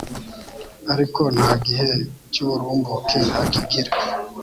ariko nta gihe cy'uburumbuke akigira